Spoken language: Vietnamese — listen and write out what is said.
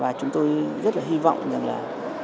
và chúng tôi rất là hy vọng rằng là